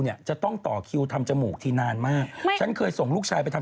นั่นไงนั่นไงนะครับคุณแห่งแล้วแล้ว